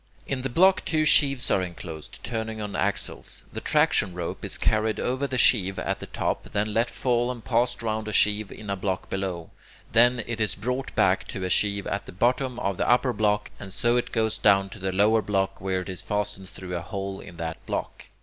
In the block two sheaves are enclosed, turning on axles. The traction rope is carried over the sheave at the top, then let fall and passed round a sheave in a block below. Then it is brought back to a sheave at the bottom of the upper block, and so it goes down to the lower block, where it is fastened through a hole in that block.